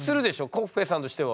コッフェさんとしては。